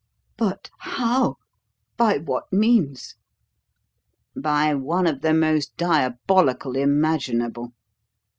"But how? By what means?" "By one of the most diabolical imaginable.